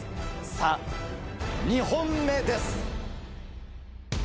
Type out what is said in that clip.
さぁ２本目です。